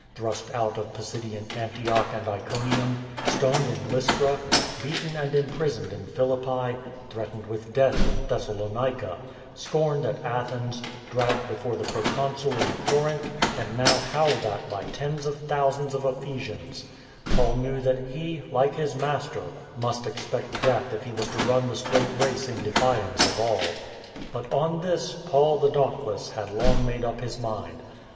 Thrust out of Pisidian Antioch and Iconium, stoned in Lystra, beaten and imprisoned in Philippi, threat ened with death in Thessalonica, scorned at Athens, dragged before the proconsul in Corinth, and now howled at by tens of thousands of Ephesians — Paul knew that he, like his Master, must expect death if he was to run the straight race in defiance of all. But on this Paul the dauntless had long made up his mind.